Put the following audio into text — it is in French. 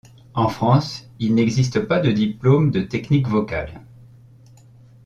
En France, il n'existe pas de diplôme de technique vocale.